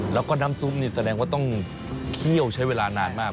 แล้วก็น้ำซุปนี่แสดงว่าต้องเคี่ยวใช้เวลานานมาก